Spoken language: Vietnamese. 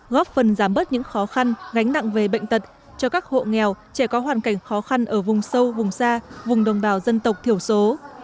góp phần giảm bớt những khó khăn gánh nặng về bệnh tật cho các hộ nghèo trẻ có hoàn cảnh khó khăn ở vùng sâu vùng xa vùng đồng bào dân tộc thiểu số